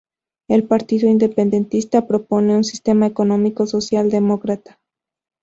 El Partido Independentista propone un sistema económico social-demócrata.